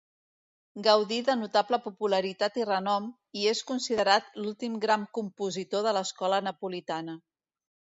Gaudí de notable popularitat i renom, i és considerat l'últim gran compositor de l'escola napolitana.